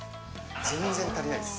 全然足りないです。